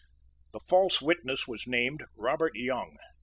This false witness was named Robert Young.